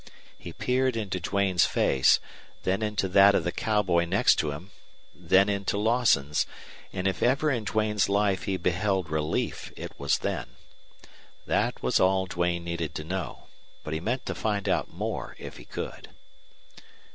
He peered into Duane's face, then into that of the cowboy next to him, then into Lawson's, and if ever in Duane's life he beheld relief it was then. That was all Duane needed to know, but he meant to find out more if he could.